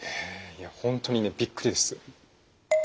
いや本当にねびっくりです。